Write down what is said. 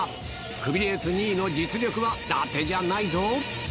クビレース２位の実力はだてじゃないぞ。